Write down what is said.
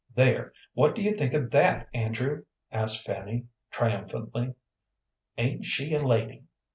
"There, what do you think of that, Andrew?" asked Fanny, triumphantly. "Ain't she a lady?"